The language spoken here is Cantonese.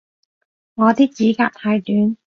我啲指甲太短